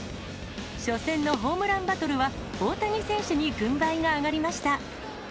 初戦のホームランバトルは、大谷選手に軍配が上がりました。